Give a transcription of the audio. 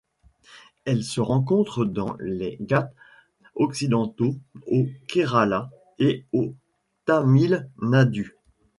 Elle se rencontre dans les Ghâts occidentaux au Kerala et au Tamil Nadu.